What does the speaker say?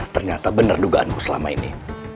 ternyata benar dugaanku selama ini